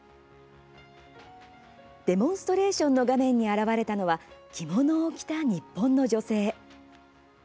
デモンストレーションの画面に現れたのは着物を着た日本の女性。